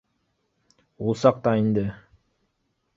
— Ул саҡта инде